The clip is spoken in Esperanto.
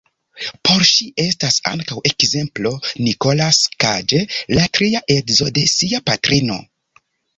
Por ŝi estas ankaŭ ekzemplo Nicolas Cage, la tria edzo de sia patrino.